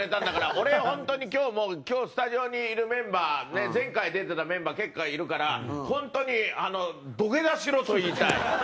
俺、本当に、今日、もう今日、スタジオにいるメンバー前回出てたメンバー結構いるから本当に、土下座しろと言いたい。